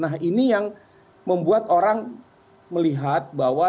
nah ini yang membuat orang melihat bahwa